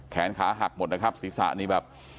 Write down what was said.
แขนขาหักหมดนะครับศีรษะนี่แบบ